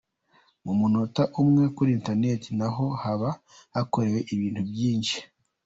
Mu munota umwe, kuri internet naho haba hakorewe ibintu byinshi.